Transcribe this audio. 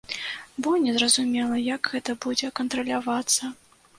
Бо незразумела, як гэта будзе кантралявацца.